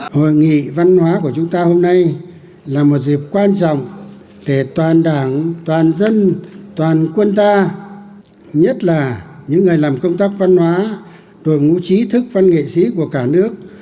hội nghị văn hóa của chúng ta hôm nay là một dịp quan trọng để toàn đảng toàn dân toàn quân ta nhất là những người làm công tác văn hóa đội ngũ trí thức văn nghệ sĩ của cả nước